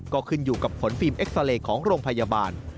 ก็ขึ้นอยู่กับผลฟิล์เอ็กซาเรย์ของโรงพยาบาล